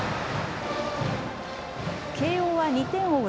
慶応は２点を追う